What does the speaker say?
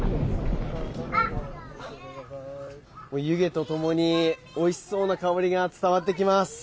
湯気とともにおいしそうな香りが伝わってきます。